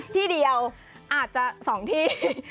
ที่เดียวอาจจะ๒ที่